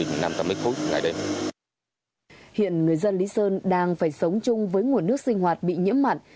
hiện người dân lý sơn đang phải sống chung với nguồn nước sinh hoạt bị nhiễm mặn